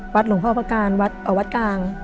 หลวงพ่อประการวัดกลาง